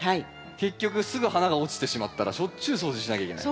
結局すぐ花が落ちてしまったらしょっちゅう掃除しなきゃいけない。